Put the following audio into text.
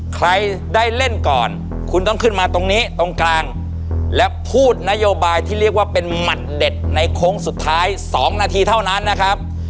ใครได้เล่นก่อนคุณต้องขึ้นมาตรงนี้ตรงกลางและพูดนโยบายที่เรียกว่าเป็นหมัดเด็ดในโค้งสุดท้าย๒นาทีเท่านั้นนะครับ